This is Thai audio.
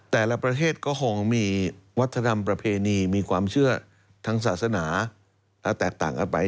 แต่ละประเทศก็คงมีวัฒนธรรมประเพณีมีความเชื่อทางศาสนาแตกต่างกันไป